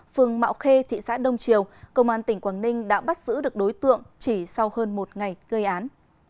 phường mạo khê thị xã đông triều công an tỉnh quảng ninh đã bắt giữ được đối tượng chỉ sau hơn một ngày gây án